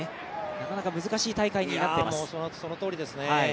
なかなか難しい大会になっています。